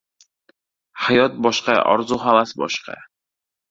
Hayot boshqa, orzu-havas boshqa.